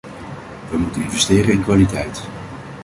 We moeten investeren in kwaliteit.